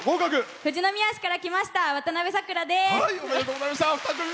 富士宮市から来ましたわたなべです。